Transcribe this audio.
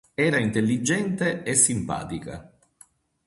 Era intelligente e simpatica.